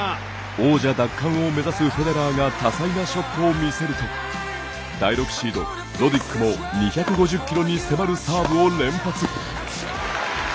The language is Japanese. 王者奪還を目指すフェデラーが多彩なショットを見せると第６シード、ロディックも２５０キロに迫るサーブを連発。